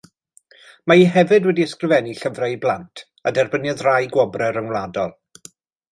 Mae hi hefyd wedi ysgrifennu llyfrau i blant, a derbyniodd rai gwobrau rhyngwladol.